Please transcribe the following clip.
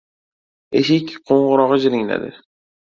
Eshik qo‘ng‘irog‘i jiringladi.